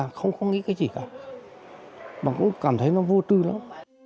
tôi không có nghĩ cái gì cả mà cũng cảm thấy nó vô trừ lắm